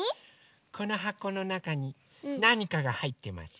このはこのなかになにかがはいってます。